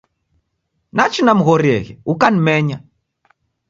Nachi namghorieghe ukanimenya.